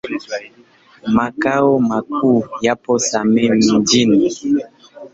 Makao makuu yapo Same Mjini.